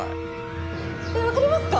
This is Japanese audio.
わかりますか？